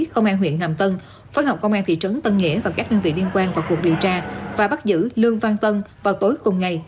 công an huyện hàm tân phát ngọc công an thị trấn tân nghĩa và các nhân viên liên quan vào cuộc điều tra và bắt giữ lương văn tân vào tối cùng ngày